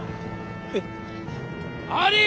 えっ？あり！